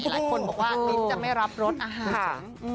หลายคนบอกว่าลิ้นจะไม่รับรสอาหาร